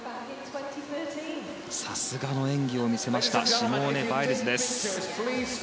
さすがの演技を見せましたシモーネ・バイルズ。